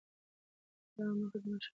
اداره د عامه خدمت د ښه والي لپاره ده.